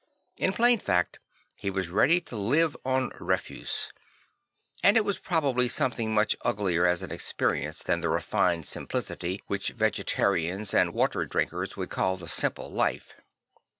In plain fact he was ready to live on refuse; and it was probably something much uglier as an experience than the refined simplicity which vegetarians and water drinkers would call the simple life.